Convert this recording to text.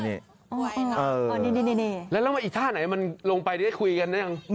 นี่แล้วอีกท่าไหนมันลงไปได้คุยกันหรือยัง